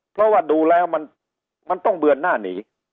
เพราะว่าดูแล้วมันต้องเบือนหน้าหนี